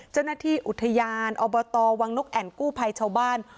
เจ้าหน้าที่อุทยานอบตวังนกแอ่นกู้ภัยชาวบ้าน